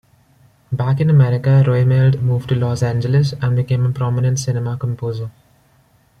Back in America, Roemheld moved to Los Angeles and became a prominent cinema composer.